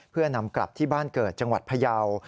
เพื่อนำกลับที่บ้านเกิดจังหวัดพยาว